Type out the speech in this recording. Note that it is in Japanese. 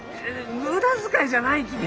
無駄遣いじゃないき。